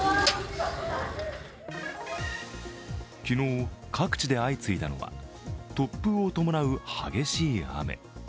昨日、各地で相次いだのは突風を伴う激しい雨。